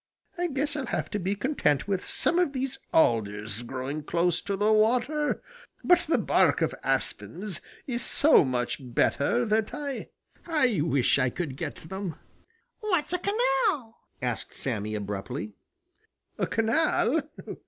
I guess I'll have to be content with some of these alders growing close to the water, but the bark of aspens is so much better that I I wish I could get them." "What's a canal?" asked Sammy abruptly. "A canal?